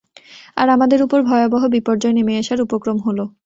আর আমাদের উপর ভয়াবহ বিপর্যয় নেমে আসার উপক্রম হল।